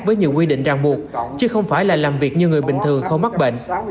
với nhiều quy định ràng buộc chứ không phải là làm việc như người bình thường không mắc bệnh